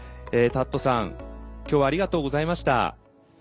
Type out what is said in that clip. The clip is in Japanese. たっとさん今日はありがとうございました。